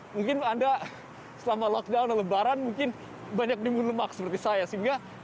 mungkin anda selama lockdown dan lembaran mungkin banyak dimun lemak seperti saya